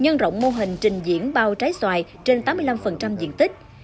nhân rộng mô hình trình diễn bao trái xoài trên tám mươi năm diện tích